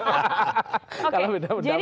oke jadi pernyataan pak mafud